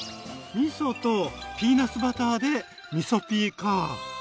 みそとピーナツバターでみそピーか！